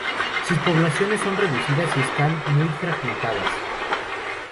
Sus poblaciones son reducidas y están muy fragmentadas.